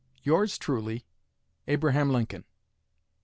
Yours truly, ABRAHAM LINCOLN.